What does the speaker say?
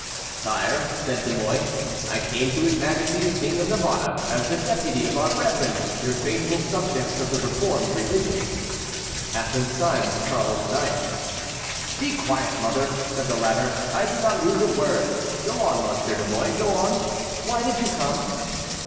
"Sire," said De Mouy, "I came to his majesty the King of Navarre as the deputy of our brethren, your faithful subjects of the reformed religion." Catharine signed to Charles IX. "Be quiet, mother," said the latter. "I do not lose a word. Go on, Monsieur de Mouy, go on; why did you come?"